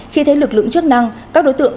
khi thấy lực lượng chức năng các đối tượng